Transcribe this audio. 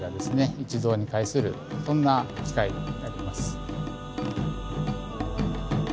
一堂に会するそんな機会になります。